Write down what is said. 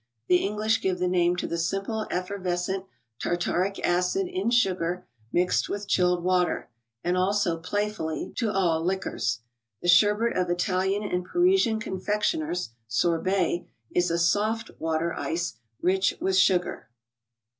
The English give the name to the simple, effervescent tartaric acid in sugar, mixed with chilled water; and also, playfully, to all liquors. The sherbet of Italian and Parisian confectioners (sorbet), is a " soft " water ice, rich with sugar.